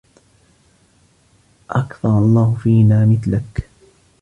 أَكْثَرَ اللَّهُ فِينَا مِثْلَك